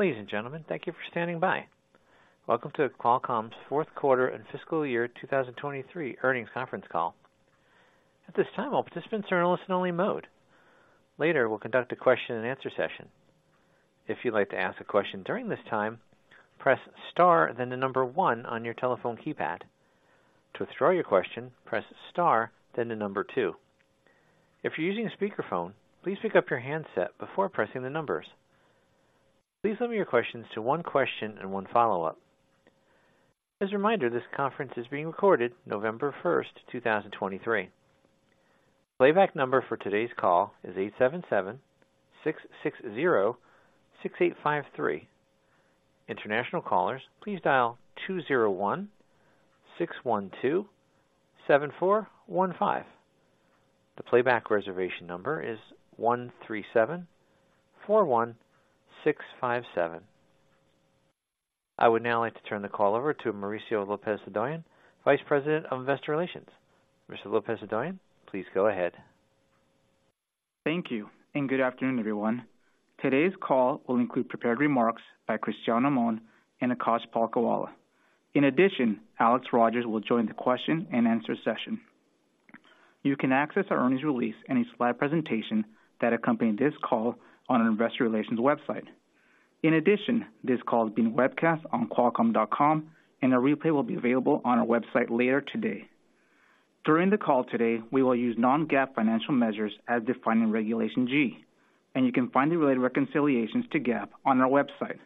Ladies and gentlemen, thank you for standing by. Welcome to Qualcomm's fourth quarter and fiscal year 2023 earnings conference call. At this time, all participants are in a listen-only mode. Later, we'll conduct a question-and-answer session. If you'd like to ask a question during this time, press star, then the number one on your telephone keypad. To withdraw your question, press star, then the number two. If you're using a speakerphone, please pick up your handset before pressing the numbers. Please limit your questions to one question and one follow-up. As a reminder, this conference is being recorded November 1st, 2023. Playback number for today's call is 877-660-6853. International callers, please dial 201-612-7415. The playback reservation number is 13741657. I would now like to turn the call over to Mauricio Lopez-Hodoyan, Vice President of Investor Relations. Mr. Lopez-Hodoyan, please go ahead. Thank you, and good afternoon, everyone. Today's call will include prepared remarks by Cristiano Amon and Akash Palkhiwala. In addition, Alex Rogers will join the question-and-answer session. You can access our earnings release and its live presentation that accompany this call on our investor relations website. In addition, this call is being webcast on Qualcomm.com, and a replay will be available on our website later today. During the call today, we will use non-GAAP financial measures as defined in Regulation G, and you can find the related reconciliations to GAAP on our website.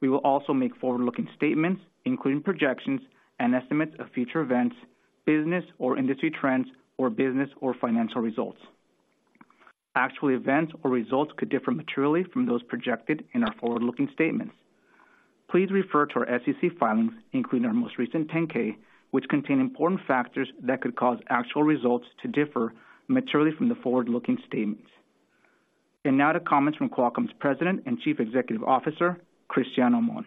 We will also make forward-looking statements, including projections and estimates of future events, business or industry trends, or business or financial results. Actual events or results could differ materially from those projected in our forward-looking statements. Please refer to our SEC filings, including our most recent 10-K, which contain important factors that could cause actual results to differ materially from the forward-looking statements. Now to comments from Qualcomm's President and Chief Executive Officer, Cristiano Amon.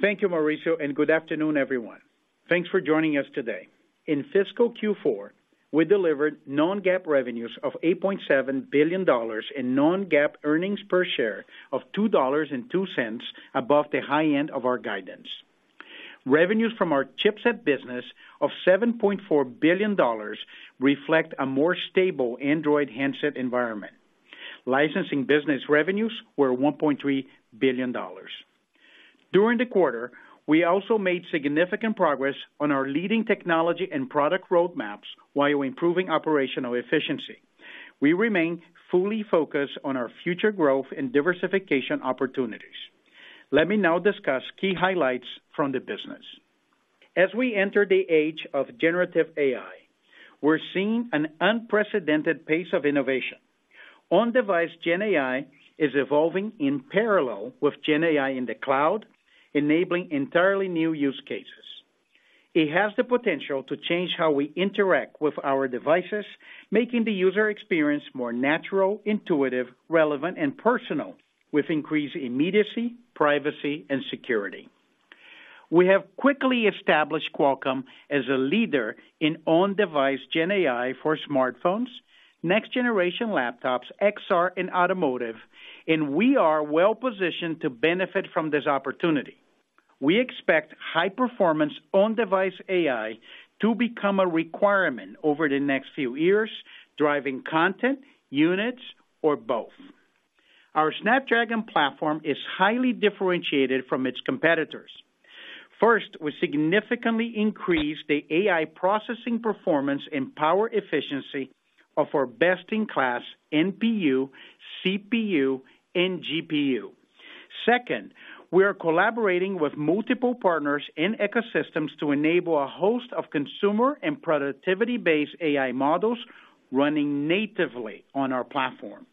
Thank you, Mauricio, and good afternoon, everyone. Thanks for joining us today. In fiscal Q4, we delivered non-GAAP revenues of $8.7 billion and non-GAAP earnings per share of $2.02, above the high end of our guidance. Revenues from our chipset business of $7.4 billion reflect a more stable Android handset environment. Licensing business revenues were $1.3 billion. During the quarter, we also made significant progress on our leading technology and product roadmaps while improving operational efficiency. We remain fully focused on our future growth and diversification opportunities. Let me now discuss key highlights from the business. As we enter the age of generative AI, we're seeing an unprecedented pace of innovation. On-device Gen AI is evolving in parallel with Gen AI in the cloud, enabling entirely new use cases. It has the potential to change how we interact with our devices, making the user experience more natural, intuitive, relevant, and personal, with increased immediacy, privacy, and security. We have quickly established Qualcomm as a leader in on-device Gen AI for smartphones, next-generation laptops, XR, and automotive, and we are well positioned to benefit from this opportunity. We expect high-performance on-device AI to become a requirement over the next few years, driving content, units, or both. Our Snapdragon platform is highly differentiated from its competitors. First, we significantly increased the AI processing performance and power efficiency of our best-in-class NPU, CPU, and GPU. Second, we are collaborating with multiple partners and ecosystems to enable a host of consumer and productivity-based AI models running natively on our platform.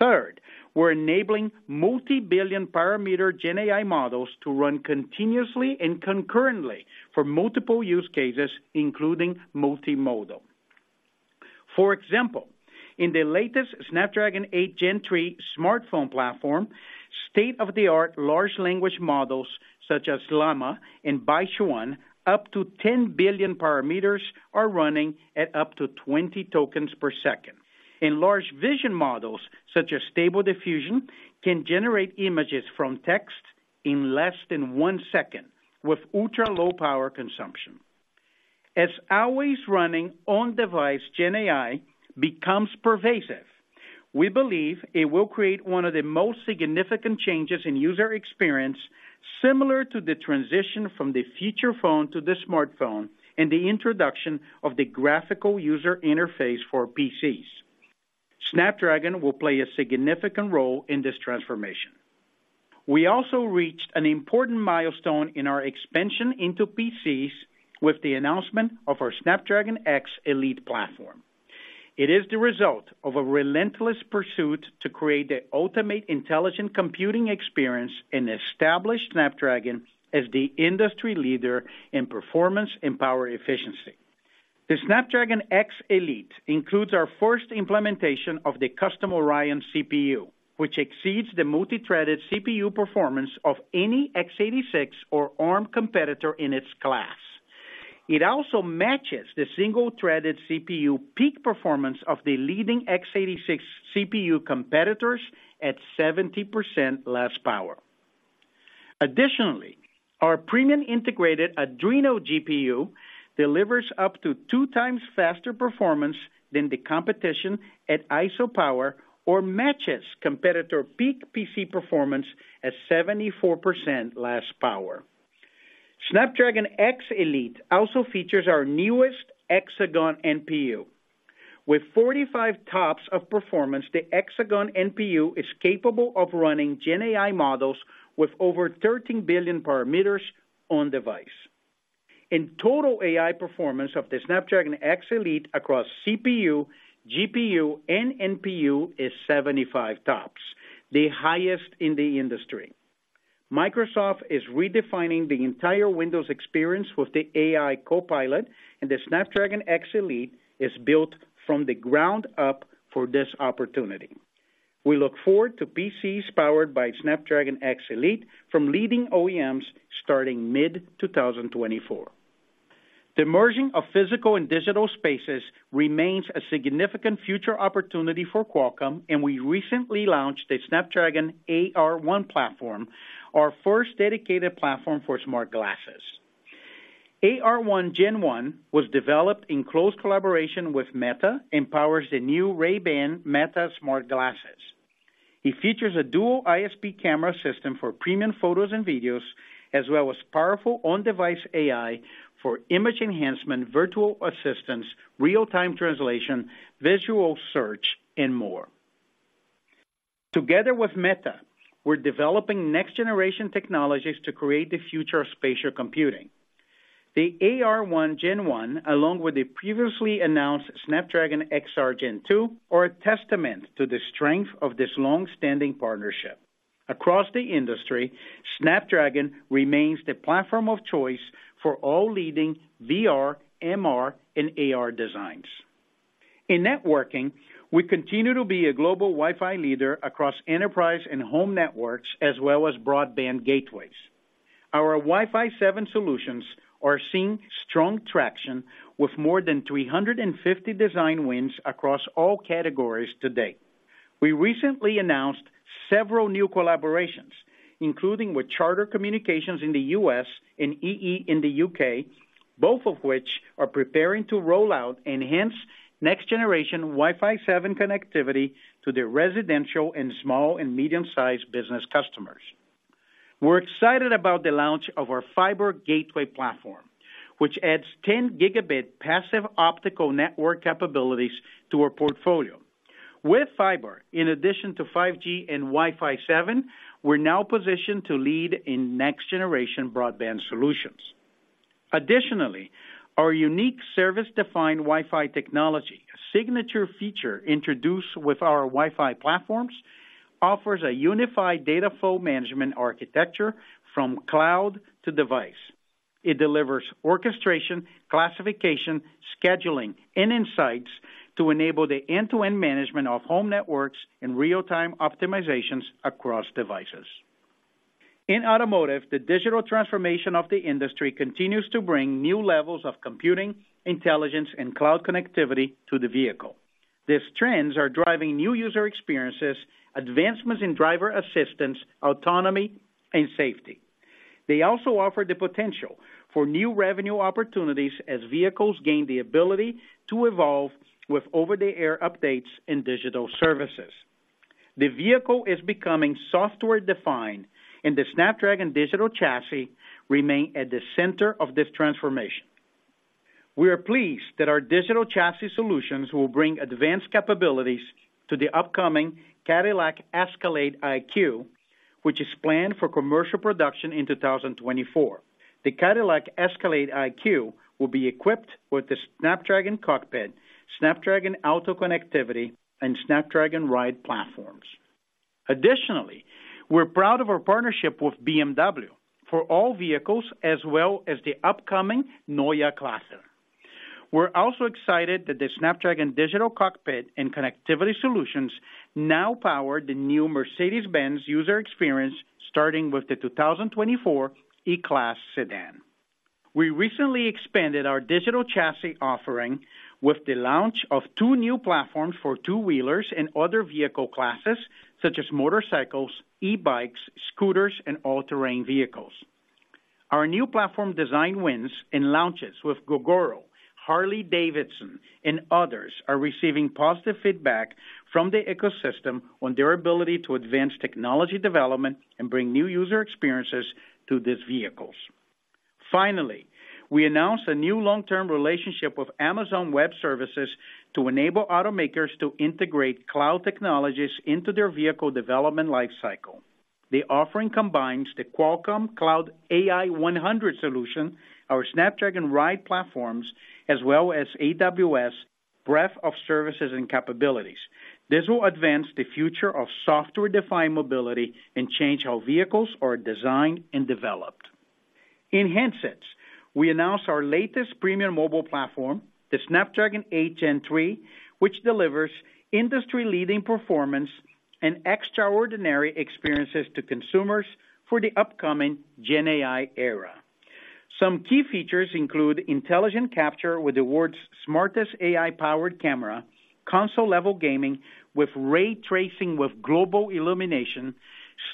Third, we're enabling multi-billion parameter Gen AI models to run continuously and concurrently for multiple use cases, including multimodal. For example, in the latest Snapdragon 8 Gen 3 smartphone platform, state-of-the-art large language models, such as Llama and Baichuan, up to 10 billion parameters, are running at up to 20 tokens per second. Large vision models, such as Stable Diffusion, can generate images from text in less than one second, with ultra-low power consumption. As always running on-device, Gen AI becomes pervasive. We believe it will create one of the most significant changes in user experience, similar to the transition from the feature phone to the smartphone and the introduction of the graphical user interface for PCs. Snapdragon will play a significant role in this transformation. We also reached an important milestone in our expansion into PCs with the announcement of our Snapdragon X Elite platform. It is the result of a relentless pursuit to create the ultimate intelligent computing experience and establish Snapdragon as the industry leader in performance and power efficiency. The Snapdragon X Elite includes our first implementation of the custom Oryon CPU, which exceeds the multi-threaded CPU performance of any x86 or ARM competitor in its class.... It also matches the single-threaded CPU peak performance of the leading x86 CPU competitors at 70% less power. Additionally, our premium integrated Adreno GPU delivers up to 2x faster performance than the competition at ISO power or matches competitor peak PC performance at 74% less power. Snapdragon X Elite also features our newest Hexagon NPU. With 45 TOPS of performance, the Hexagon NPU is capable of running Gen AI models with over 13 billion parameters on device. In total AI performance of the Snapdragon X Elite across CPU, GPU, and NPU is 75 TOPS, the highest in the industry. Microsoft is redefining the entire Windows experience with the AI Copilot, and the Snapdragon X Elite is built from the ground up for this opportunity. We look forward to PCs powered by Snapdragon X Elite from leading OEMs starting mid-2024. The merging of physical and digital spaces remains a significant future opportunity for Qualcomm, and we recently launched the Snapdragon AR1 platform, our first dedicated platform for smart glasses. AR1 Gen 1 was developed in close collaboration with Meta and powers the new Ray-Ban Meta smart glasses. It features a dual ISP camera system for premium photos and videos, as well as powerful on-device AI for image enhancement, virtual assistants, real-time translation, visual search, and more. Together with Meta, we're developing next-generation technologies to create the future of spatial computing. The AR1 Gen 1, along with the previously announced Snapdragon XR Gen 2, are a testament to the strength of this long-standing partnership. Across the industry, Snapdragon remains the platform of choice for all leading VR, MR, and AR designs. In networking, we continue to be a global Wi-Fi leader across enterprise and home networks, as well as broadband gateways. Our Wi-Fi 7 solutions are seeing strong traction with more than 350 design wins across all categories to date. We recently announced several new collaborations, including with Charter Communications in the U.S. and EE in the U.K., both of which are preparing to roll out enhanced next-generation Wi-Fi 7 connectivity to their residential and small and medium-sized business customers. We're excited about the launch of our fiber gateway platform, which adds 10 Gb passive optical network capabilities to our portfolio. With fiber, in addition to 5G and Wi-Fi 7, we're now positioned to lead in next-generation broadband solutions. Additionally, our unique Service Defined Wi-Fi technology, a signature feature introduced with our Wi-Fi platforms, offers a unified data flow management architecture from cloud to device. It delivers orchestration, classification, scheduling, and insights to enable the end-to-end management of home networks and real-time optimizations across devices. In automotive, the digital transformation of the industry continues to bring new levels of computing, intelligence, and cloud connectivity to the vehicle. These trends are driving new user experiences, advancements in driver assistance, autonomy, and safety. They also offer the potential for new revenue opportunities as vehicles gain the ability to evolve with over-the-air updates and digital services. The vehicle is becoming software-defined, and the Snapdragon Digital Chassis remain at the center of this transformation. We are pleased that our digital chassis solutions will bring advanced capabilities to the upcoming Cadillac Escalade IQ, which is planned for commercial production in 2024. The Cadillac Escalade IQ will be equipped with the Snapdragon Cockpit, Snapdragon Auto Connectivity, and Snapdragon Ride platforms. Additionally, we're proud of our partnership with BMW for all vehicles, as well as the upcoming Neue Klasse. We're also excited that the Snapdragon Digital Cockpit and Connectivity solutions now power the new Mercedes-Benz user experience, starting with the 2024 E-Class sedan. We recently expanded our digital chassis offering with the launch of two new platforms for two-wheelers and other vehicle classes, such as motorcycles, e-bikes, scooters, and all-terrain vehicles. Our new platform design wins and launches with Gogoro, Harley-Davidson, and others are receiving positive feedback from the ecosystem on their ability to advance technology development and bring new user experiences to these vehicles. Finally, we announced a new long-term relationship with Amazon Web Services to enable automakers to integrate cloud technologies into their vehicle development lifecycle. The offering combines the Qualcomm Cloud AI 100 solution, our Snapdragon Ride platforms, as well as AWS breadth of services and capabilities. This will advance the future of software-defined mobility and change how vehicles are designed and developed. In handsets, we announced our latest premium mobile platform, the Snapdragon 8 Gen 3, which delivers industry-leading performance… and extraordinary experiences to consumers for the upcoming GenAI era. Some key features include intelligent capture with the world's smartest AI-powered camera, console-level gaming with ray tracing with global illumination,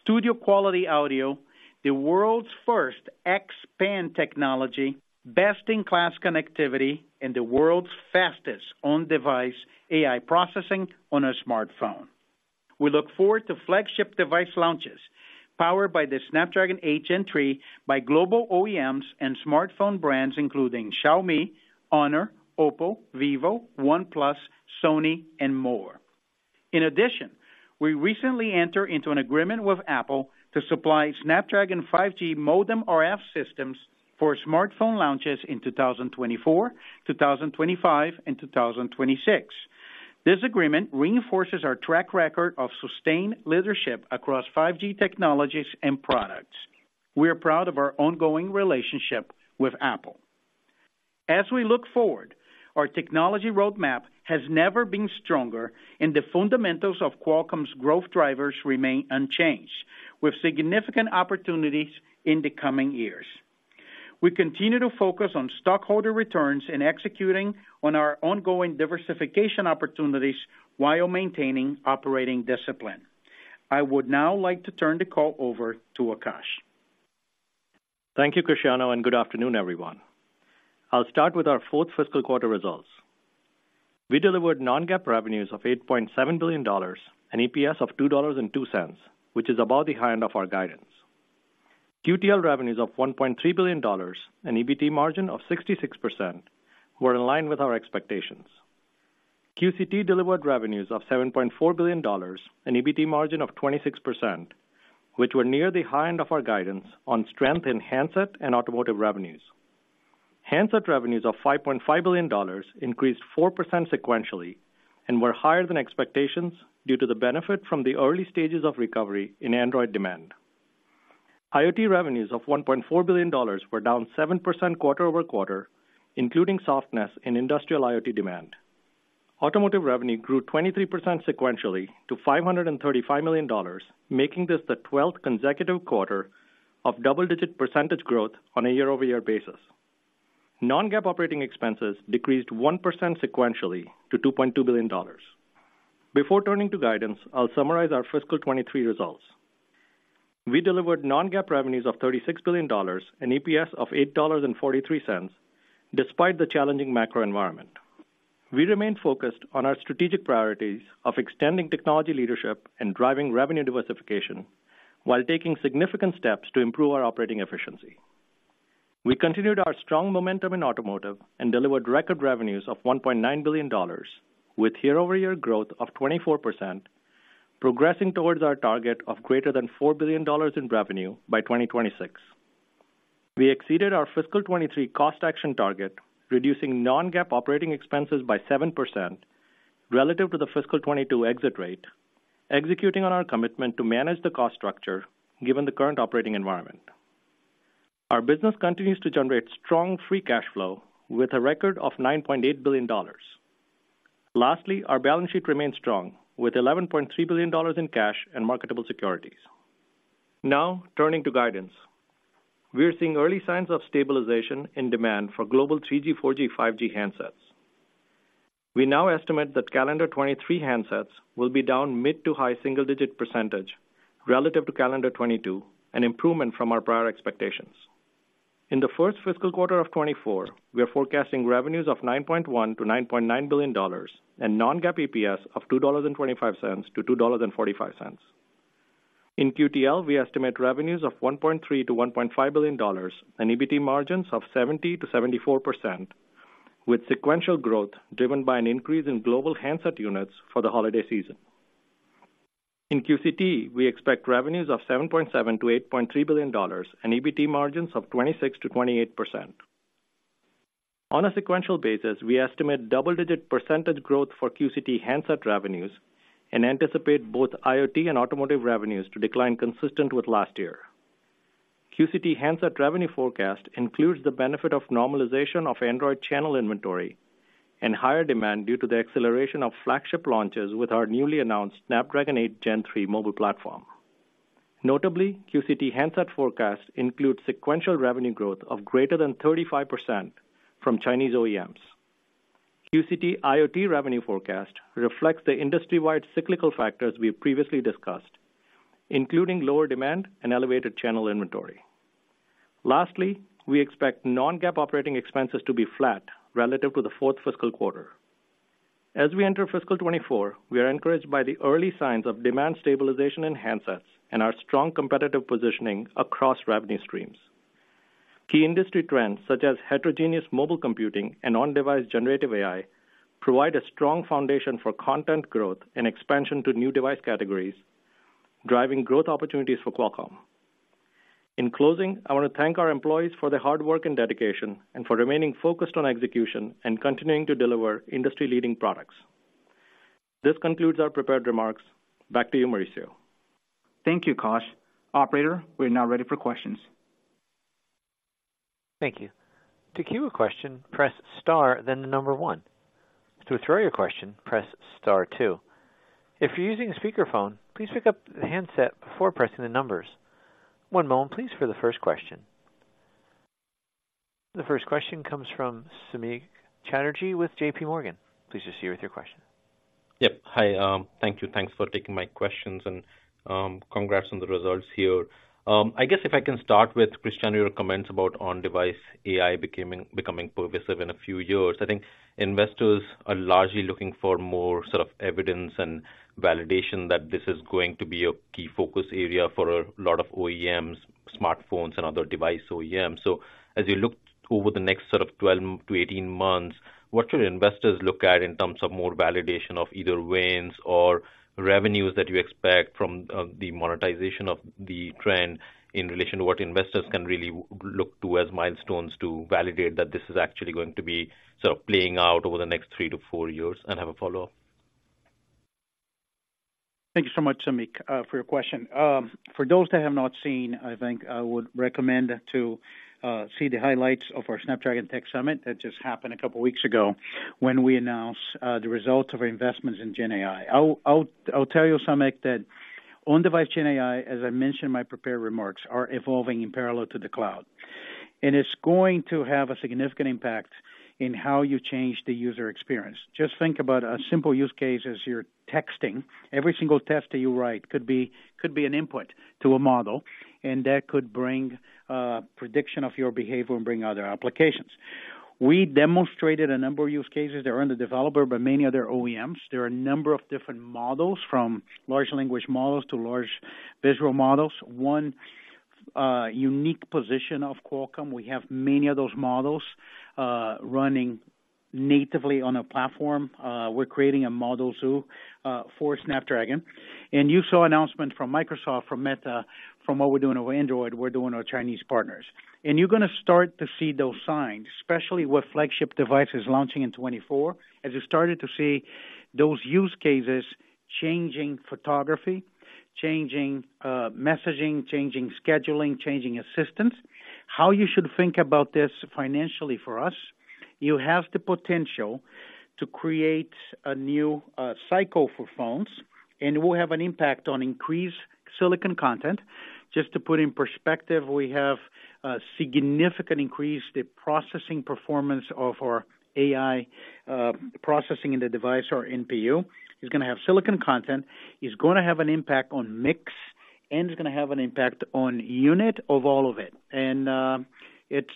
studio-quality audio, the world's first XPAN technology, best-in-class connectivity, and the world's fastest on-device AI processing on a smartphone. We look forward to flagship device launches, powered by the Snapdragon 8 Gen 3, by global OEMs and smartphone brands, including Xiaomi, HONOR, OPPO, vivo, OnePlus, Sony, and more. In addition, we recently entered into an agreement with Apple to supply Snapdragon 5G modem RF systems for smartphone launches in 2024, 2025, and 2026. This agreement reinforces our track record of sustained leadership across 5G technologies and products. We are proud of our ongoing relationship with Apple. As we look forward, our technology roadmap has never been stronger, and the fundamentals of Qualcomm's growth drivers remain unchanged, with significant opportunities in the coming years. We continue to focus on stockholder returns and executing on our ongoing diversification opportunities while maintaining operating discipline. I would now like to turn the call over to Akash. Thank you, Cristiano, and good afternoon, everyone. I'll start with our fourth fiscal quarter results. We delivered non-GAAP revenues of $8.7 billion, and EPS of $2.02, which is above the high end of our guidance. QTL revenues of $1.3 billion and EBT margin of 66% were in line with our expectations. QCT delivered revenues of $7.4 billion and EBT margin of 26%, which were near the high end of our guidance on strength in handset and automotive revenues. Handset revenues of $5.5 billion increased 4% sequentially and were higher than expectations due to the benefit from the early stages of recovery in Android demand. IoT revenues of $1.4 billion were down 7% quarter over quarter, including softness in industrial IoT demand. Automotive revenue grew 23% sequentially to $535 million, making this the 12th consecutive quarter of double-digit percentage growth on a year-over-year basis. Non-GAAP operating expenses decreased 1% sequentially to $2.2 billion. Before turning to guidance, I'll summarize our fiscal 2023 results. We delivered non-GAAP revenues of $36 billion and EPS of $8.43, despite the challenging macro environment. We remain focused on our strategic priorities of extending technology leadership and driving revenue diversification, while taking significant steps to improve our operating efficiency. We continued our strong momentum in automotive and delivered record revenues of $1.9 billion, with year-over-year growth of 24%, progressing towards our target of greater than $4 billion in revenue by 2026. We exceeded our fiscal 2023 cost action target, reducing non-GAAP operating expenses by 7% relative to the fiscal 2022 exit rate, executing on our commitment to manage the cost structure, given the current operating environment. Our business continues to generate strong free cash flow with a record of $9.8 billion. Lastly, our balance sheet remains strong, with $11.3 billion in cash and marketable securities. Now, turning to guidance. We are seeing early signs of stabilization in demand for global 3G, 4G, 5G handsets. We now estimate that calendar 2023 handsets will be down mid- to high-single-digit percentage relative to calendar 2022, an improvement from our prior expectations. In the first fiscal quarter of 2024, we are forecasting revenues of $9.1 billion-$9.9 billion and non-GAAP EPS of $2.25-$2.45. In QTL, we estimate revenues of $1.3 billion-$1.5 billion, and EBT margins of 70%-74%, with sequential growth driven by an increase in global handset units for the holiday season. In QCT, we expect revenues of $7.7 billion-$8.3 billion and EBT margins of 26%-28%. On a sequential basis, we estimate double-digit percentage growth for QCT handset revenues and anticipate both IoT and automotive revenues to decline consistent with last year. QCT handset revenue forecast includes the benefit of normalization of Android channel inventory and higher demand due to the acceleration of flagship launches with our newly announced Snapdragon 8 Gen 3 mobile platform. Notably, QCT handset forecast includes sequential revenue growth of greater than 35% from Chinese OEMs. QCT IoT revenue forecast reflects the industry-wide cyclical factors we have previously discussed, including lower demand and elevated channel inventory. Lastly, we expect non-GAAP operating expenses to be flat relative to the fourth fiscal quarter. As we enter fiscal 2024, we are encouraged by the early signs of demand stabilization in handsets and our strong competitive positioning across revenue streams. Key industry trends, such as heterogeneous mobile computing and on-device generative AI, provide a strong foundation for content growth and expansion to new device categories, driving growth opportunities for Qualcomm. In closing, I want to thank our employees for their hard work and dedication and for remaining focused on execution and continuing to deliver industry-leading products. This concludes our prepared remarks. Back to you, Mauricio. Thank you, Akash. Operator, we are now ready for questions. ... Thank you. To queue a question, press star, then the number one. To withdraw your question, press star two. If you're using a speakerphone, please pick up the handset before pressing the numbers. One moment please, for the first question. The first question comes from Samik Chatterjee with JPMorgan. Please proceed with your question. Yep. Hi, thank you. Thanks for taking my questions, and, congrats on the results here. I guess if I can start with Cristiano, your comments about on-device AI becoming pervasive in a few years. I think investors are largely looking for more sort of evidence and validation that this is going to be a key focus area for a lot of OEMs, smartphones, and other device OEMs. So as you look over the next sort of 12-18 months, what should investors look at in terms of more validation of either wins or revenues that you expect from the monetization of the trend in relation to what investors can really look to as milestones to validate that this is actually going to be sort of playing out over the next three to four years? And I have a follow-up. Thank you so much, Samik, for your question. For those that have not seen, I think I would recommend to see the highlights of our Snapdragon Tech Summit that just happened a couple weeks ago, when we announced the results of our investments in GenAI. I'll tell you, Samik, that on-device GenAI, as I mentioned in my prepared remarks, are evolving in parallel to the cloud, and it's going to have a significant impact in how you change the user experience. Just think about a simple use case as you're texting. Every single text that you write could be an input to a model, and that could bring prediction of your behavior and bring other applications. We demonstrated a number of use cases that are under development by many other OEMs. There are a number of different models, from large language models to large visual models. One unique position of Qualcomm, we have many of those models running natively on a platform. We're creating a model zoo for Snapdragon. And you saw announcement from Microsoft, from Meta, from what we're doing with Android, we're doing our Chinese partners. And you're gonna start to see those signs, especially with flagship devices launching in 2024, as you started to see those use cases, changing photography, changing messaging, changing scheduling, changing assistance. How you should think about this financially for us, you have the potential to create a new cycle for phones, and it will have an impact on increased silicon content. Just to put in perspective, we have a significant increase the processing performance of our AI processing in the device or NPU. It's gonna have silicon content. It's gonna have an impact on mix, and it's gonna have an impact on unit of all of it. And, it's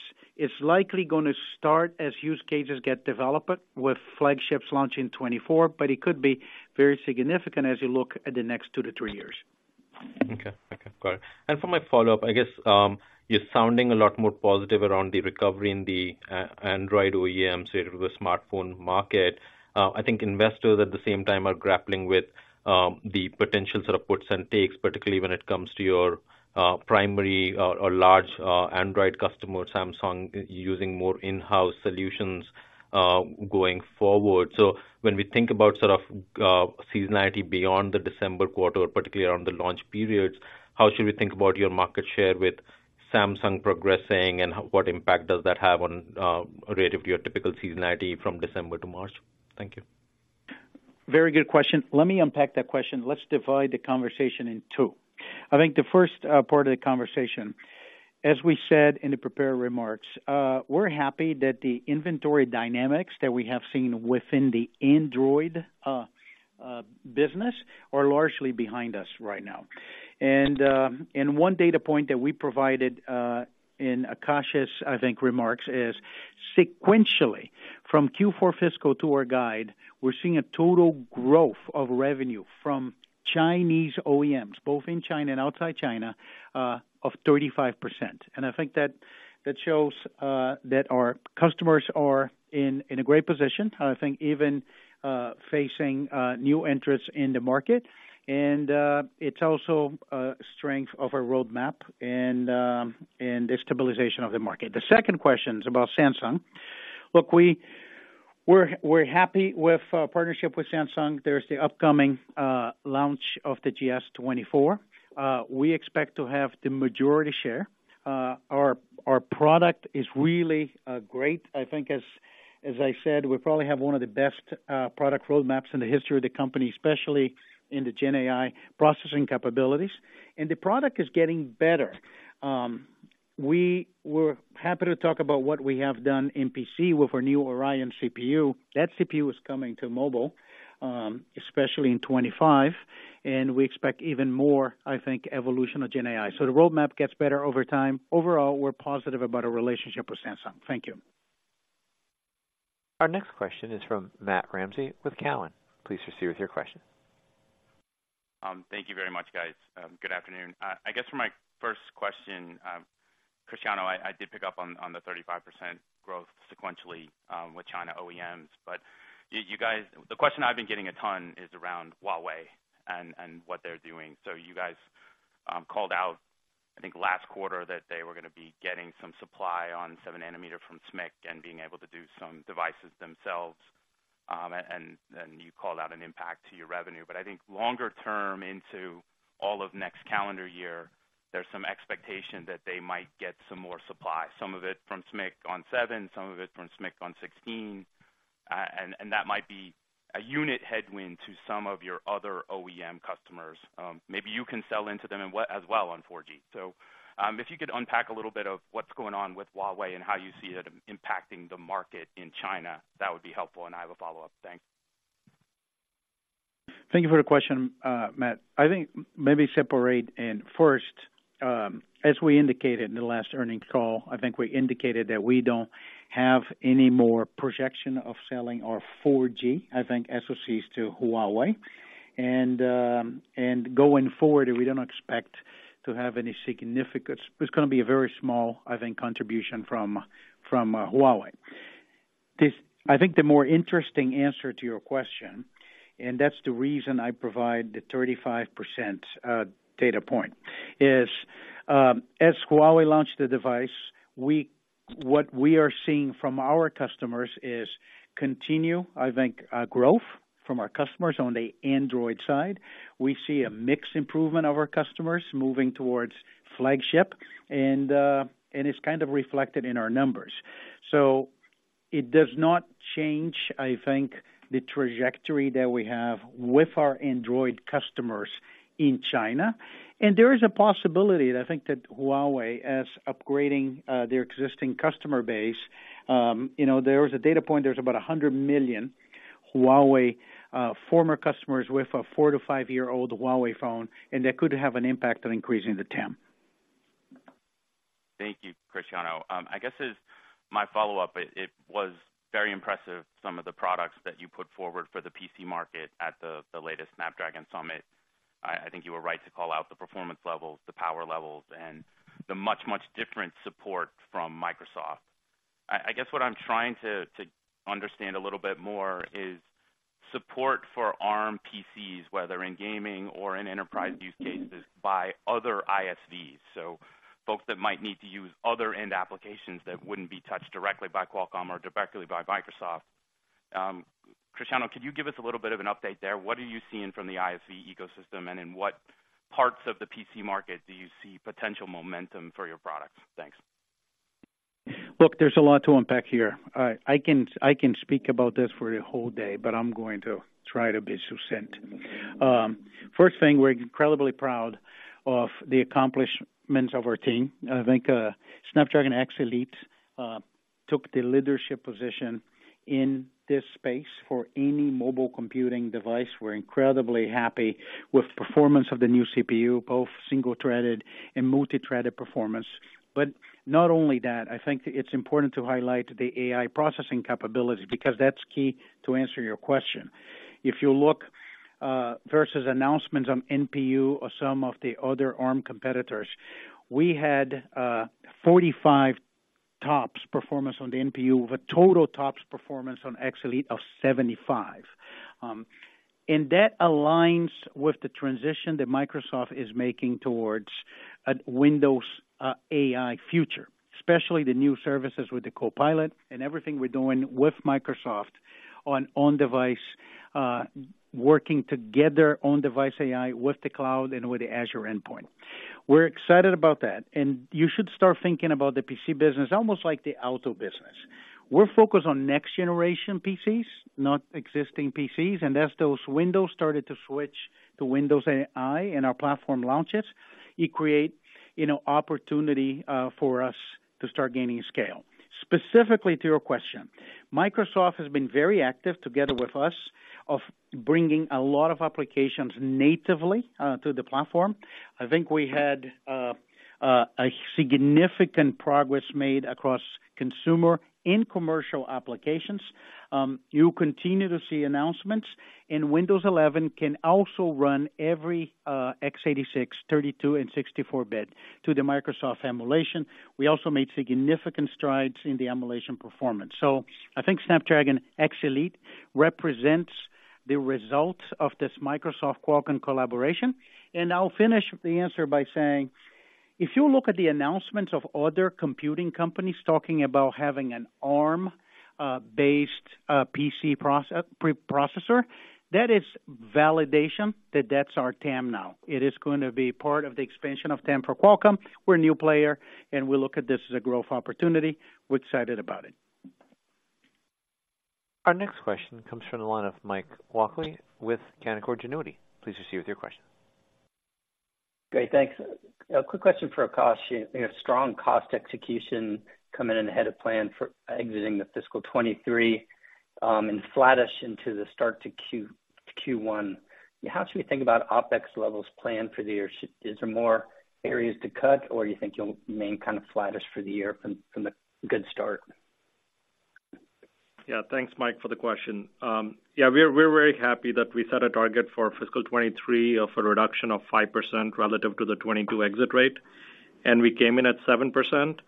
likely gonna start as use cases get developed with flagships launching in 2024, but it could be very significant as you look at the next two to three years. Okay. Okay, got it. And for my follow-up, I guess, you're sounding a lot more positive around the recovery in the Android OEM, so the smartphone market. I think investors, at the same time, are grappling with the potential sort of puts and takes, particularly when it comes to your primary or large Android customer, Samsung, using more in-house solutions, going forward. So when we think about sort of seasonality beyond the December quarter, particularly around the launch periods, how should we think about your market share with Samsung progressing, and what impact does that have on relative to your typical seasonality from December to March? Thank you. Very good question. Let me unpack that question. Let's divide the conversation in two. I think the first part of the conversation, as we said in the prepared remarks, we're happy that the inventory dynamics that we have seen within the Android business are largely behind us right now. And one data point that we provided in Akash's, I think, remarks, is sequentially, from Q4 fiscal to our guide, we're seeing a total growth of revenue from Chinese OEMs, both in China and outside China, of 35%. And I think that shows that our customers are in a great position, I think even facing new entrants in the market. And it's also a strength of our roadmap and the stabilization of the market. The second question is about Samsung. Look, we're happy with our partnership with Samsung. There's the upcoming launch of the GS24. We expect to have the majority share. Our product is really great. I think as I said, we probably have one of the best product roadmaps in the history of the company, especially in the GenAI processing capabilities, and the product is getting better. We were happy to talk about what we have done in PC with our new Oryon CPU. That CPU is coming to mobile, especially in 2025, and we expect even more, I think, evolution of GenAI. So the roadmap gets better over time. Overall, we're positive about our relationship with Samsung. Thank you. Our next question is from Matt Ramsay with Cowen. Please proceed with your question. Thank you very much, guys. Good afternoon. I guess for my first question, Cristiano, I did pick up on the 35% growth sequentially with China OEMs, but you guys... The question I've been getting a ton is around Huawei and what they're doing. So you guys called out, I think, last quarter, that they were gonna be getting some supply on 7 nanometer from SMIC and being able to do some devices themselves... and you called out an impact to your revenue. But I think longer term into all of next calendar year, there's some expectation that they might get some more supply, some of it from SMIC on 7, some of it from SMIC on 16. And that might be a unit headwind to some of your other OEM customers. Maybe you can sell into them as well on 4G. So, if you could unpack a little bit of what's going on with Huawei and how you see it impacting the market in China, that would be helpful, and I have a follow-up. Thanks. Thank you for the question, Matt. I think maybe separate and first, as we indicated in the last earnings call, I think we indicated that we don't have any more projection of selling our 4G, I think, SoCs to Huawei. And going forward, we don't expect to have any significant... It's gonna be a very small, I think, contribution from Huawei. This - I think the more interesting answer to your question, and that's the reason I provide the 35% data point, is, as Huawei launched the device, we - what we are seeing from our customers is continue, I think, growth from our customers on the Android side. We see a mixed improvement of our customers moving towards flagship, and it's kind of reflected in our numbers. So it does not change, I think, the trajectory that we have with our Android customers in China. And there is a possibility, I think, that Huawei, as upgrading, their existing customer base, you know, there is a data point, there's about 100 million Huawei former customers with a 4-to-5-year-old Huawei phone, and that could have an impact on increasing the TAM. Thank you, Cristiano. I guess as my follow-up, it was very impressive, some of the products that you put forward for the PC market at the latest Snapdragon Summit. I think you were right to call out the performance levels, the power levels, and the much, much different support from Microsoft. I guess what I'm trying to understand a little bit more is support for ARM PCs, whether in gaming or in enterprise use cases by other ISVs, so folks that might need to use other end applications that wouldn't be touched directly by Qualcomm or directly by Microsoft. Cristiano, could you give us a little bit of an update there? What are you seeing from the ISV ecosystem, and in what parts of the PC market do you see potential momentum for your products? Thanks. Look, there's a lot to unpack here. I can speak about this for a whole day, but I'm going to try to be succinct. First thing, we're incredibly proud of the accomplishments of our team. I think, Snapdragon X Elite took the leadership position in this space for any mobile computing device. We're incredibly happy with performance of the new CPU, both single-threaded and multi-threaded performance. But not only that, I think it's important to highlight the AI processing capability, because that's key to answer your question. If you look, versus announcements on NPU or some of the other ARM competitors, we had 45 TOPS performance on the NPU, with a total TOPS performance on X Elite of 75. And that aligns with the transition that Microsoft is making towards a Windows AI future, especially the new services with the Copilot and everything we're doing with Microsoft on-device, working together on-device AI with the cloud and with the Azure endpoint. We're excited about that, and you should start thinking about the PC business, almost like the auto business. We're focused on next-generation PCs, not existing PCs, and as those Windows started to switch to Windows AI and our platform launches, it create, you know, opportunity, for us to start gaining scale. Specifically to your question, Microsoft has been very active, together with us, of bringing a lot of applications natively, to the platform. I think we had a significant progress made across consumer and commercial applications. You continue to see announcements, and Windows 11 can also run every x86 32- and 64-bit to the Microsoft emulation. We also made significant strides in the emulation performance. So I think Snapdragon X Elite represents the results of this Microsoft-Qualcomm collaboration. And I'll finish the answer by saying, if you look at the announcements of other computing companies talking about having an ARM-based PC processor, that is validation that that's our TAM now. It is going to be part of the expansion of TAM for Qualcomm. We're a new player, and we look at this as a growth opportunity. We're excited about it. Our next question comes from the line of Mike Walkley with Canaccord Genuity. Please proceed with your question. Great, thanks. A quick question for Akash. You know, strong cost execution coming in ahead of plan for exiting the fiscal 2023, and flattish into the start to Q1. How should we think about OpEx levels planned for the year? Is there more areas to cut, or you think you'll remain kind of flattish for the year from, from the good start? Yeah, thanks, Mike, for the question. Yeah, we're very happy that we set a target for fiscal 2023 of a reduction of 5% relative to the 2022 exit rate, and we came in at 7%.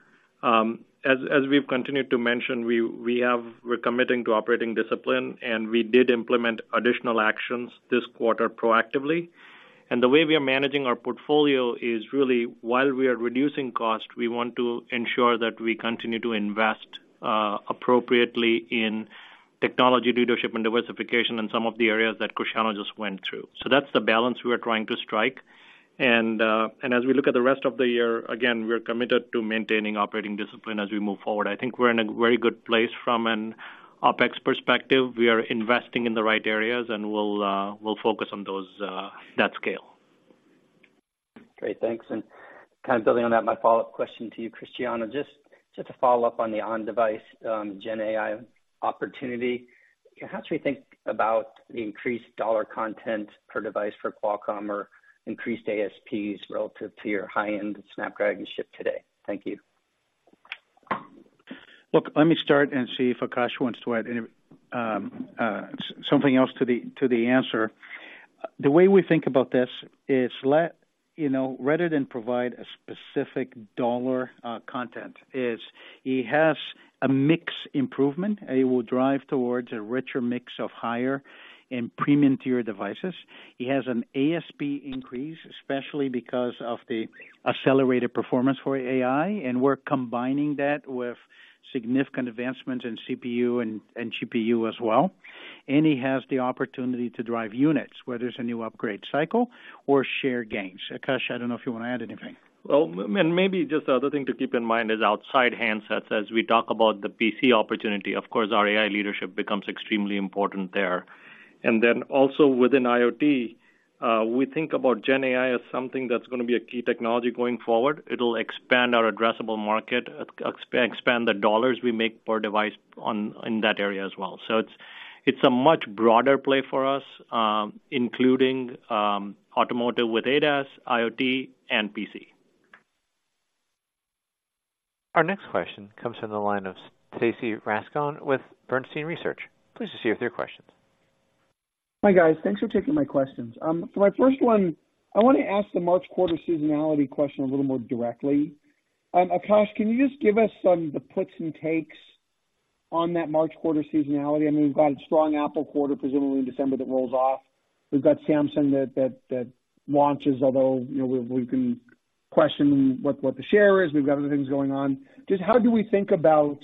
As we've continued to mention, we're committing to operating discipline, and we did implement additional actions this quarter proactively. And the way we are managing our portfolio is really, while we are reducing cost, we want to ensure that we continue to invest appropriately in technology leadership and diversification in some of the areas that Cristiano just went through. So that's the balance we are trying to strike. And as we look at the rest of the year, again, we're committed to maintaining operating discipline as we move forward. I think we're in a very good place from an OpEx perspective. We are investing in the right areas, and we'll focus on those that scale. Great, thanks. And kind of building on that, my follow-up question to you, Cristiano, just to follow up on the on-device Gen AI opportunity, how should we think about the increased dollar content per device for Qualcomm or increased ASPs relative to your high-end Snapdragon chip today? Thank you. Look, let me start and see if Akash wants to add any, something else to the answer. The way we think about this is, you know, rather than provide a specific dollar content, it has a mix improvement. It will drive towards a richer mix of higher and premium tier devices. It has an ASP increase, especially because of the accelerated performance for AI, and we're combining that with significant advancements in CPU and GPU as well. And it has the opportunity to drive units, whether it's a new upgrade cycle or share gains. Akash, I don't know if you want to add anything. Well, and maybe just the other thing to keep in mind is outside handsets, as we talk about the PC opportunity, of course, our AI leadership becomes extremely important there. And then also within IoT, we think about Gen AI as something that's gonna be a key technology going forward. It'll expand our addressable market, expand the dollars we make per device on, in that area as well. So it's a much broader play for us, including automotive with ADAS, IoT and PC. Our next question comes from the line of Stacy Rasgon with Bernstein Research. Please proceed with your questions. Hi, guys. Thanks for taking my questions. For my first one, I wanna ask the March quarter seasonality question a little more directly. Akash, can you just give us some of the puts and takes on that March quarter seasonality? I mean, we've got a strong Apple quarter, presumably in December, that rolls off. We've got Samsung that, that, that launches, although, you know, we've, we can question what, what the share is. We've got other things going on. Just how do we think about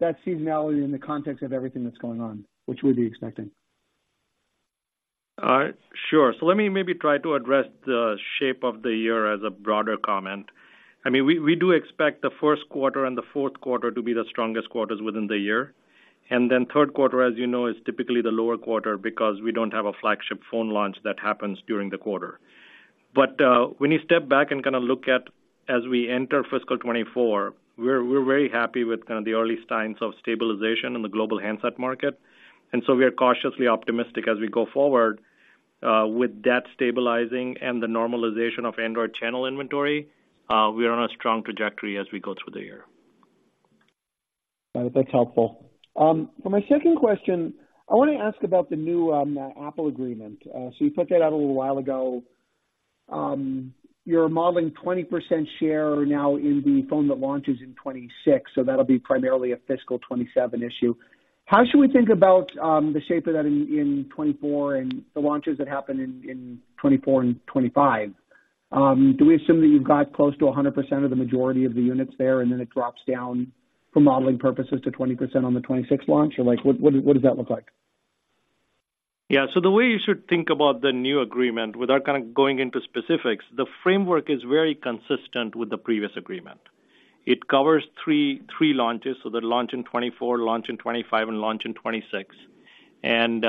that seasonality in the context of everything that's going on? What should we be expecting? Sure. So let me maybe try to address the shape of the year as a broader comment. I mean, we, we do expect the first quarter and the fourth quarter to be the strongest quarters within the year. And then third quarter, as you know, is typically the lower quarter because we don't have a flagship phone launch that happens during the quarter. But, when you step back and kinda look at as we enter fiscal 2024, we're, we're very happy with kind of the early signs of stabilization in the global handset market, and so we are cautiously optimistic as we go forward. With that stabilizing and the normalization of Android channel inventory, we are on a strong trajectory as we go through the year. Got it. That's helpful. For my second question, I wanna ask about the new Apple agreement. So you put that out a little while ago. You're modeling 20% share now in the phone that launches in 2026, so that'll be primarily a fiscal 2027 issue. How should we think about the shape of that in 2024 and the launches that happen in 2024 and 2025? Do we assume that you've got close to 100% of the majority of the units there, and then it drops down, for modeling purposes, to 20% on the 2026 launch? Or, like, what, what, what does that look like? Yeah. So the way you should think about the new agreement, without kind of going into specifics, the framework is very consistent with the previous agreement. It covers three, three launches, so the launch in 2024, launch in 2025 and launch in 2026. And,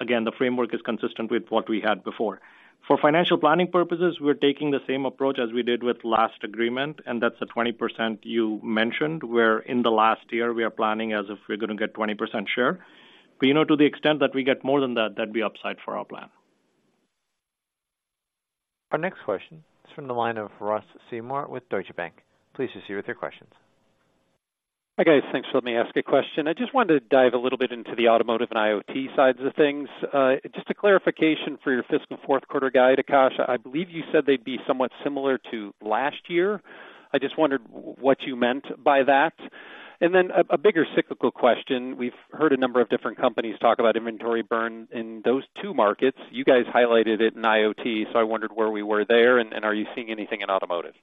again, the framework is consistent with what we had before. For financial planning purposes, we're taking the same approach as we did with last agreement, and that's the 20% you mentioned, where in the last year we are planning as if we're gonna get 20% share. But, you know, to the extent that we get more than that, that'd be upside for our plan. Our next question is from the line of Ross Seymore with Deutsche Bank. Please proceed with your questions. Hi, guys. Thanks for letting me ask a question. I just wanted to dive a little bit into the automotive and IoT sides of things. Just a clarification for your fiscal fourth quarter guide, Akash. I believe you said they'd be somewhat similar to last year. I just wondered what you meant by that. And then a bigger cyclical question, we've heard a number of different companies talk about inventory burn in those two markets. You guys highlighted it in IoT, so I wondered where we were there, and are you seeing anything in automotive?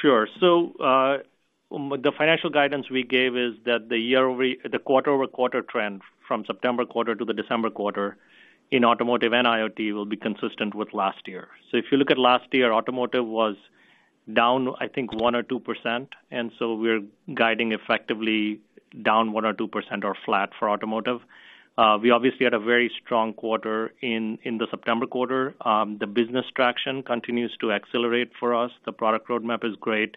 Sure. So, the financial guidance we gave is that the quarter-over-quarter trend, from September quarter to the December quarter, in automotive and IoT, will be consistent with last year. So if you look at last year, automotive was down, I think, 1%-2%, and so we're guiding effectively down 1%-2% or flat for automotive. We obviously had a very strong quarter in the September quarter. The business traction continues to accelerate for us. The product roadmap is great.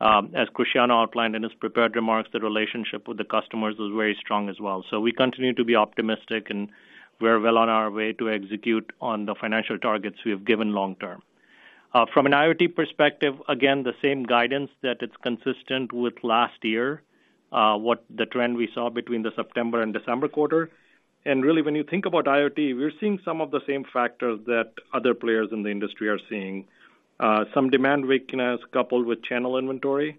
As Cristiano outlined in his prepared remarks, the relationship with the customers is very strong as well. So we continue to be optimistic, and we're well on our way to execute on the financial targets we have given long term. From an IoT perspective, again, the same guidance that it's consistent with last year, what the trend we saw between the September and December quarter. Really, when you think about IoT, we're seeing some of the same factors that other players in the industry are seeing. Some demand weakness coupled with channel inventory....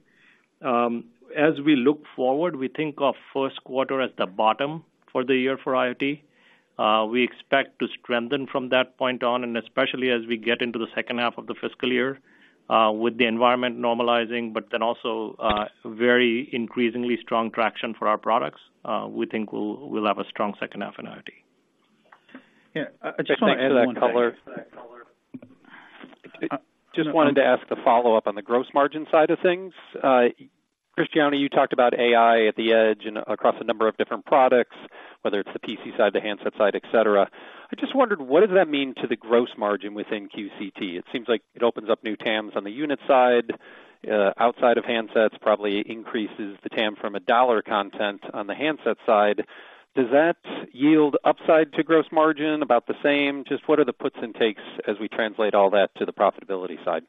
As we look forward, we think of first quarter as the bottom for the year for IoT. We expect to strengthen from that point on, and especially as we get into the second half of the fiscal year, with the environment normalizing, but then also, very increasingly strong traction for our products, we think we'll, we'll have a strong second half in IoT. Yeah, I just want to add that color. Just wanted to ask a follow-up on the gross margin side of things. Cristiano, you talked about AI at the edge and across a number of different products, whether it's the PC side, the handset side, etcetera. I just wondered, what does that mean to the gross margin within QCT? It seems like it opens up new TAMs on the unit side, outside of handsets, probably increases the TAM from a dollar content on the handset side. Does that yield upside to gross margin? About the same? Just what are the puts and takes as we translate all that to the profitability side?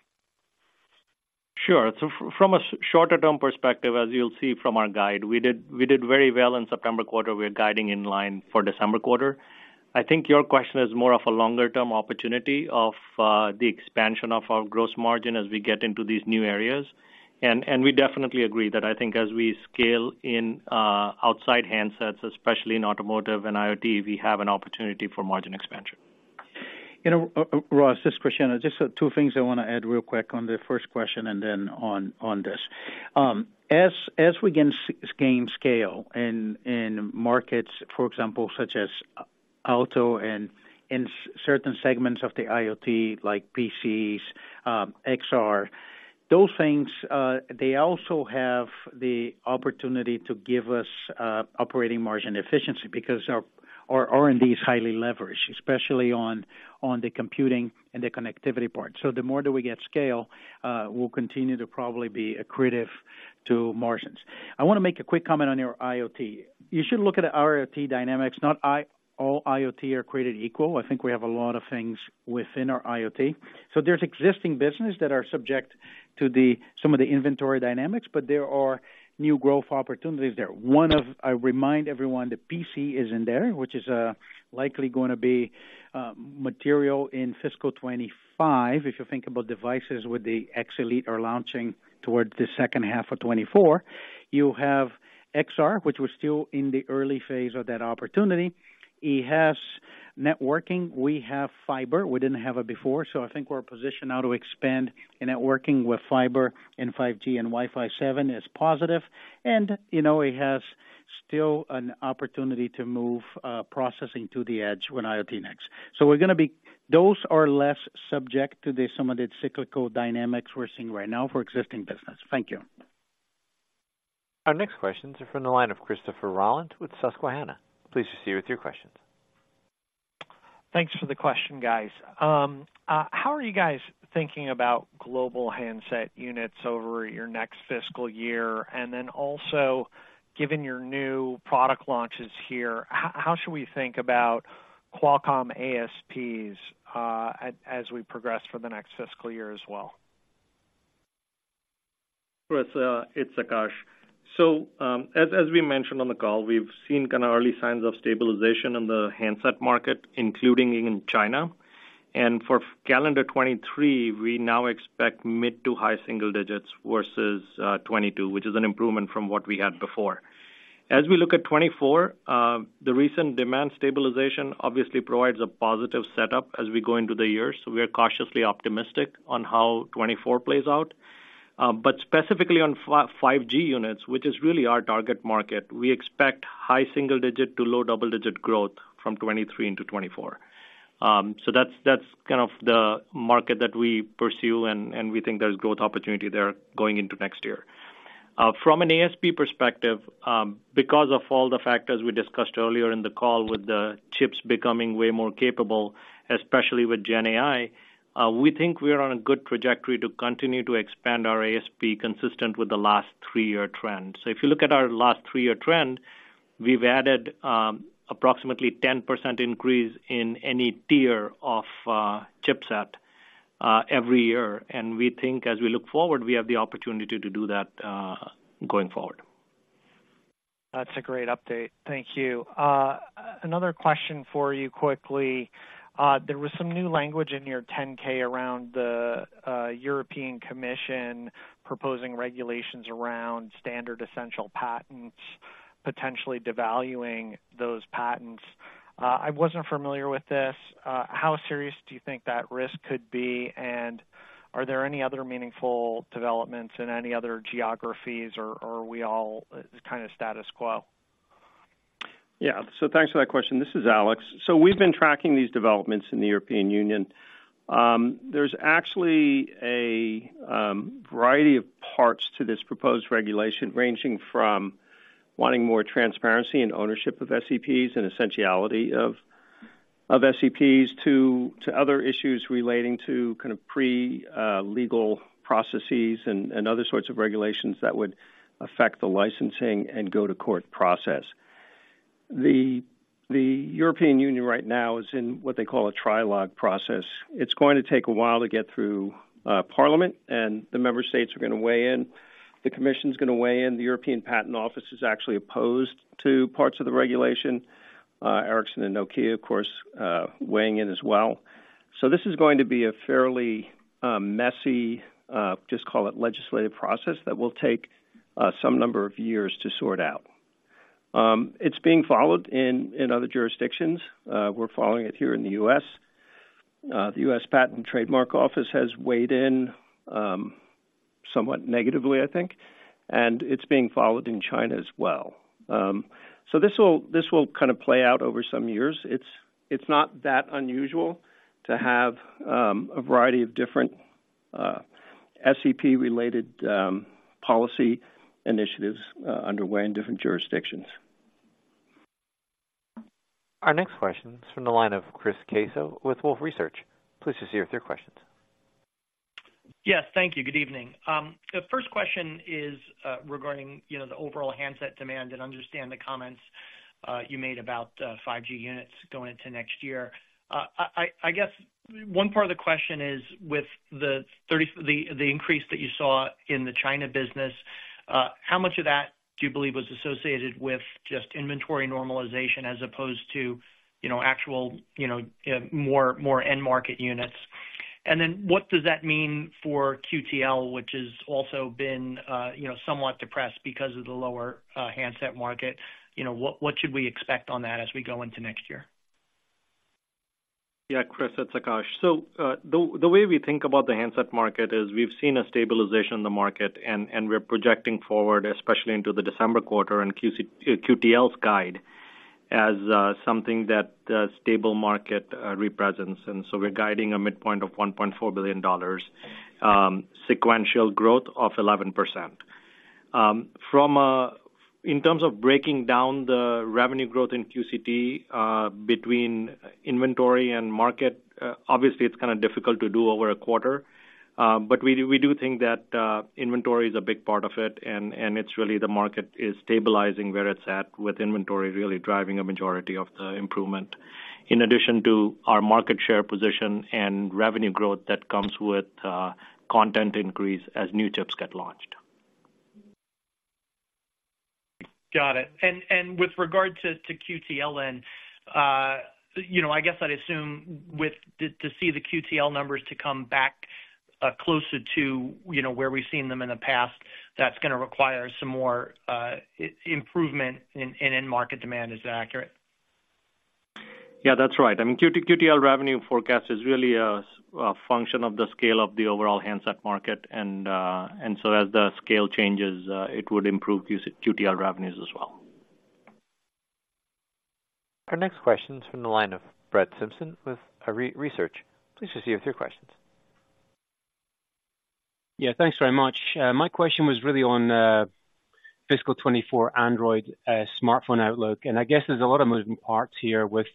Sure. So from a shorter term perspective, as you'll see from our guide, we did, we did very well in September quarter. We're guiding in line for December quarter. I think your question is more of a longer-term opportunity of, the expansion of our gross margin as we get into these new areas. And, and we definitely agree that I think as we scale in, outside handsets, especially in automotive and IoT, we have an opportunity for margin expansion. You know, Ross, this is Cristiano. Just two things I wanna add real quick on the first question and then on this. As we gain scale in markets, for example, such as Auto and in certain segments of the IoT, like PCs, XR, those things, they also have the opportunity to give us operating margin efficiency because our R&D is highly leveraged, especially on the computing and the connectivity part. So the more that we get scale, we'll continue to probably be accretive to margins. I wanna make a quick comment on your IoT. You should look at our IoT dynamics. Not all IoT are created equal. I think we have a lot of things within our IoT. So there's existing business that are subject to the, some of the inventory dynamics, but there are new growth opportunities there. One of... I remind everyone, the PC is in there, which is, likely gonna be, material in fiscal 2025, if you think about devices with the X Elite are launching towards the second half of 2024. You have XR, which was still in the early phase of that opportunity. It has networking, we have fiber. We didn't have it before, so I think we're positioned now to expand in networking with fiber and 5G and Wi-Fi 7 is positive, and, you know, it has still an opportunity to move, processing to the edge when IoT next. So we're gonna be-- those are less subject to the some of the cyclical dynamics we're seeing right now for existing business. Thank you. Our next questions are from the line of Christopher Rolland with Susquehanna. Please proceed with your questions. Thanks for the question, guys. How are you guys thinking about global handset units over your next fiscal year? And then also, given your new product launches here, how should we think about Qualcomm ASPs, as we progress for the next fiscal year as well? Chris, it's Akash. So, as we mentioned on the call, we've seen kind of early signs of stabilization in the handset market, including in China. And for calendar 2023, we now expect mid- to high-single-digit versus 2022, which is an improvement from what we had before. As we look at 2024, the recent demand stabilization obviously provides a positive setup as we go into the year, so we are cautiously optimistic on how 2024 plays out. But specifically on 5G units, which is really our target market, we expect high-single-digit to low-double-digit growth from 2023 into 2024. So that's kind of the market that we pursue, and we think there's growth opportunity there going into next year. From an ASP perspective, because of all the factors we discussed earlier in the call, with the chips becoming way more capable, especially with GenAI, we think we are on a good trajectory to continue to expand our ASP, consistent with the last three-year trend. So if you look at our last three-year trend, we've added, approximately 10% increase in any tier of chipset every year, and we think as we look forward, we have the opportunity to do that, going forward. That's a great update. Thank you. Another question for you quickly. There was some new language in your 10-K around the European Commission proposing regulations around standard essential patents, potentially devaluing those patents. I wasn't familiar with this. How serious do you think that risk could be, and are there any other meaningful developments in any other geographies, or are we all kind of status quo? Yeah. So thanks for that question. This is Alex. So we've been tracking these developments in the European Union. There's actually a variety of parts to this proposed regulation, ranging from wanting more transparency and ownership of SEPs and essentiality of SEPs, to other issues relating to kind of pre-legal processes and other sorts of regulations that would affect the licensing and go-to-court process. The European Union right now is in what they call a trilogue process. It's going to take a while to get through parliament, and the member states are gonna weigh in. The commission's gonna weigh in. The European Patent Office is actually opposed to parts of the regulation. Ericsson and Nokia, of course, weighing in as well.... So this is going to be a fairly messy, just call it legislative process, that will take some number of years to sort out. It's being followed in other jurisdictions. We're following it here in the U.S. The U.S. Patent and Trademark Office has weighed in somewhat negatively, I think, and it's being followed in China as well. So this will kind of play out over some years. It's not that unusual to have a variety of different SEP-related policy initiatives underway in different jurisdictions. Our next question is from the line of Chris Caso with Wolfe Research. Please proceed with your questions. Yes, thank you. Good evening. The first question is regarding, you know, the overall handset demand, and I understand the comments you made about 5G units going into next year. I guess one part of the question is, with the increase that you saw in the China business, how much of that do you believe was associated with just inventory normalization as opposed to, you know, actual, you know, more end market units? And then what does that mean for QTL, which has also been, you know, somewhat depressed because of the lower handset market? You know, what should we expect on that as we go into next year? Yeah, Chris, it's Akash. So, the way we think about the handset market is we've seen a stabilization in the market, and we're projecting forward, especially into the December quarter and QCT-QTL's guide, as something that a stable market represents. And so we're guiding a midpoint of $1.4 billion, sequential growth of 11%. From in terms of breaking down the revenue growth in QCT, between inventory and market, obviously, it's kind of difficult to do over a quarter. But we do think that, inventory is a big part of it, and it's really the market is stabilizing where it's at, with inventory really driving a majority of the improvement, in addition to our market share position and revenue growth that comes with, content increase as new chips get launched. Got it. And with regard to QTL then, you know, I guess I'd assume with... To see the QTL numbers come back closer to, you know, where we've seen them in the past, that's gonna require some more improvement in end market demand. Is that accurate? Yeah, that's right. I mean, QTL revenue forecast is really a function of the scale of the overall handset market, and so as the scale changes, it would improve QTL revenues as well. Our next question is from the line of Brett Simpson with Arete Research. Please proceed with your questions. Yeah, thanks very much. My question was really on fiscal 2024 Android smartphone outlook, and I guess there's a lot of moving parts here with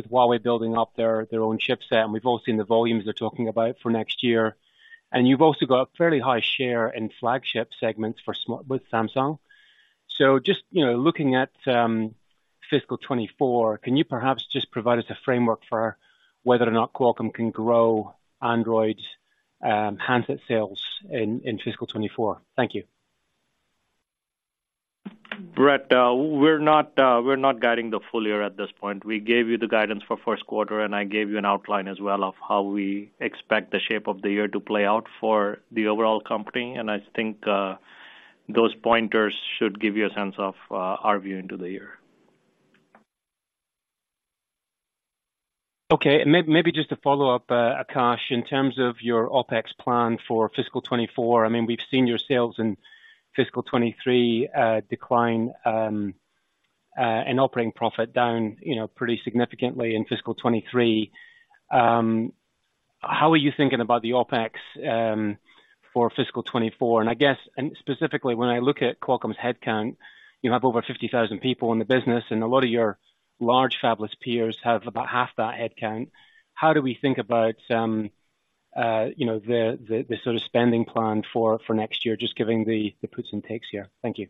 Huawei building up their own chipset, and we've all seen the volumes they're talking about for next year. And you've also got a fairly high share in flagship segments with Samsung. So just, you know, looking at fiscal 2024, can you perhaps just provide us a framework for whether or not Qualcomm can grow Android handset sales in fiscal 2024? Thank you. Brett, we're not, we're not guiding the full year at this point. We gave you the guidance for first quarter, and I gave you an outline as well of how we expect the shape of the year to play out for the overall company, and I think, those pointers should give you a sense of, our view into the year. Okay. And maybe just to follow up, Akash, in terms of your OpEx plan for fiscal 2024, I mean, we've seen your sales in fiscal 2023, decline, and operating profit down, you know, pretty significantly in fiscal 2023. How are you thinking about the OpEx for fiscal 2024? And I guess, and specifically, when I look at Qualcomm's headcount, you have over 50,000 people in the business, and a lot of your large fabless peers have about half that headcount. How do we think about, you know, the sort of spending plan for next year, just giving the puts and takes here? Thank you.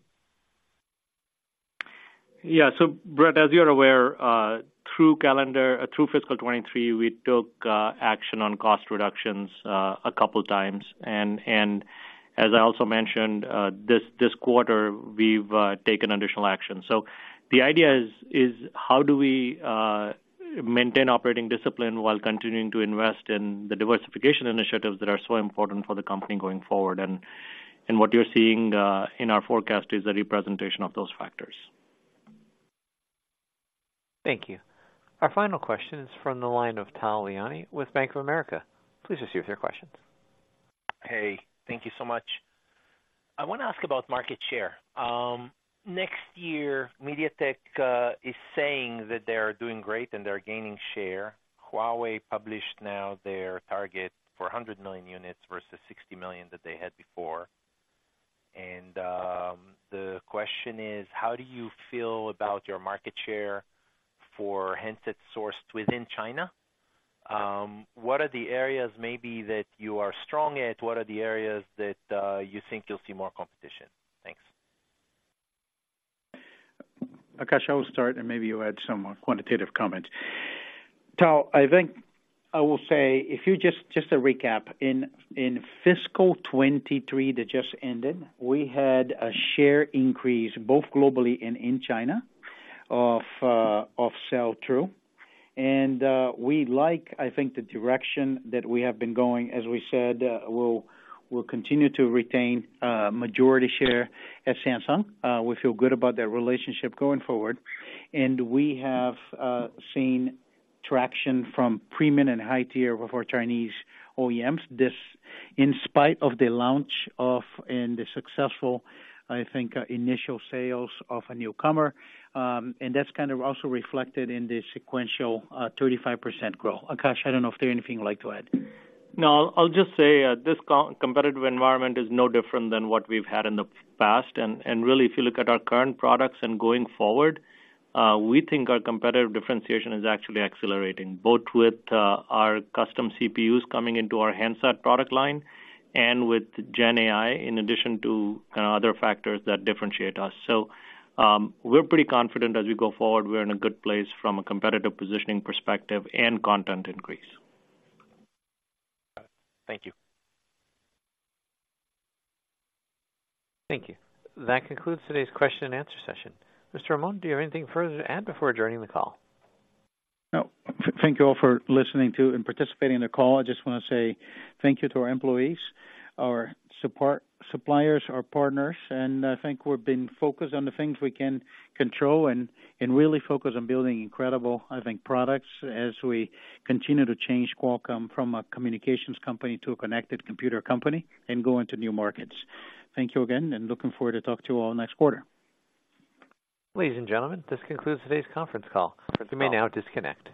Yeah. So Brett, as you're aware, through calendar, through fiscal 2023, we took action on cost reductions a couple times. And as I also mentioned, this quarter, we've taken additional action. So the idea is how do we maintain operating discipline while continuing to invest in the diversification initiatives that are so important for the company going forward? And what you're seeing in our forecast is a representation of those factors. Thank you. Our final question is from the line of Tal Liani with Bank of America. Please proceed with your questions. Hey, thank you so much. I wanna ask about market share. Next year, MediaTek is saying that they're doing great, and they're gaining share. Huawei published now their target for 100 million units versus 60 million that they had before. The question is: How do you feel about your market share for handsets sourced within China? What are the areas maybe that you are strong at? What are the areas that, you think you'll see more competition? Thanks. Akash, I will start, and maybe you'll add some more quantitative comments. Tal, I think I will say, just to recap, in fiscal 2023 that just ended, we had a share increase, both globally and in China, of sell-through. And we like, I think, the direction that we have been going. As we said, we'll continue to retain majority share at Samsung. We feel good about their relationship going forward, and we have seen traction from premium and high-tier with our Chinese OEMs. This in spite of the launch of and the successful, I think, initial sales of a newcomer, and that's kind of also reflected in the sequential 35% growth. Akash, I don't know if there's anything you'd like to add. No, I'll, I'll just say, this competitive environment is no different than what we've had in the past. And really, if you look at our current products and going forward, we think our competitive differentiation is actually accelerating, both with our custom CPUs coming into our handset product line and with Gen AI, in addition to other factors that differentiate us. So, we're pretty confident as we go forward, we're in a good place from a competitive positioning perspective and content increase. Thank you. Thank you. That concludes today's question and answer session. Mr. Amon, do you have anything further to add before adjourning the call? Thank you all for listening to and participating in the call. I just wanna say thank you to our employees, our support suppliers, our partners, and I think we've been focused on the things we can control and really focused on building incredible, I think, products as we continue to change Qualcomm from a communications company to a connected computer company and go into new markets. Thank you again, and looking forward to talk to you all next quarter. Ladies and gentlemen, this concludes today's conference call. You may now disconnect.